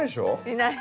いない。